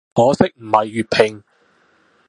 可惜唔係粵拼